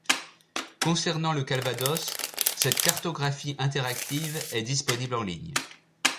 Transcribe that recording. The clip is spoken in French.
Concernant le Calvados, cette cartographie interactive est disponible en ligne.